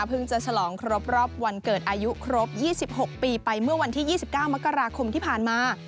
จะฉลองครบรอบวันเกิดอายุครบ๒๖ปีไปเมื่อวันที่๒๙มกราคมที่ผ่านมา